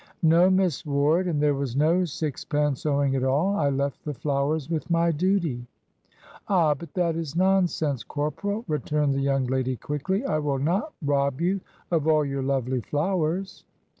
"No, Miss Ward, and there was no sixpence owing at all. I left the flowers with my duty." "Ah, but that is nonsense, Corporal," returned the young lady quickly. "I will not rob you of all your lovely flowers."